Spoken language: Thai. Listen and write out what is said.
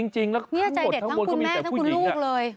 จริงแล้วทั้งหมดทั้งคุณแม่ทั้งคุณลูกเลย